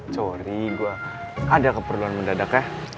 sorry gue ada keperluan mendadak ya